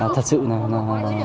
thật sự là